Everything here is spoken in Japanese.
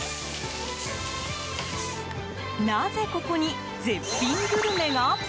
なぜ、ここに絶品グルメが？